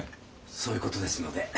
そういう事ですので。